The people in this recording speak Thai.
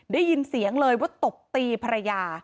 ได้ยินเสียงเลยว่าตบตีภรรยา